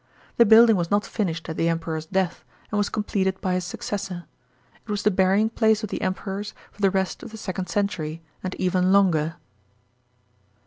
The building was not finished at the Emperor's death 516 THE PR1NCIPATE OF HADRIAN. CHAP. xxvi. and was completed by his successor. It was the burying place of the Emperors for the rest of the second century and even longer.